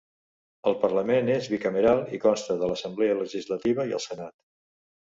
El Parlament és bicameral i consta de l'Assemblea legislativa i el Senat.